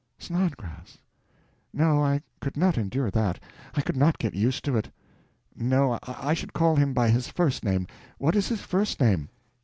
Snodgrass. No, I could not endure that. I could not get used to it. No, I should call him by his first name. What is his first name?"